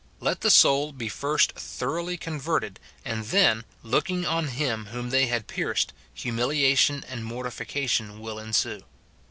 Let the soul be first thoroughly converted, and then, " looking on Him whom they had pierced," humiliation and mortification will en sue.